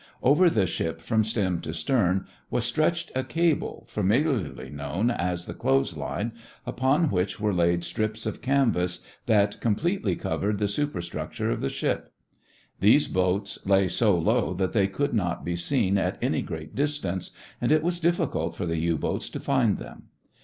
Over the ship from stem to stern was stretched, a cable, familiarly known as a "clothes line," upon which were laid strips of canvas that completely covered the superstructure of the ship. These boats lay so low that they could not be seen at any great distance, and it was difficult for the U boats to find them.